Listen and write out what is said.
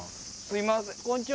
すいません